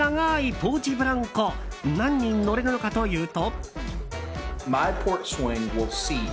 ポーチブランコ何人乗れるのかというと。